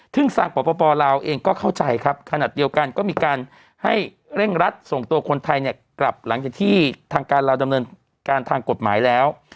ซึ่งทางปปลาวเองก็เข้าใจครับขนาดเดียวกันก็มีการให้เร่งรัดส่งตัวคนไทยเนี่ยกลับหลังจากที่ทางการลาวดำเนินการทางกฎหมายแล้ว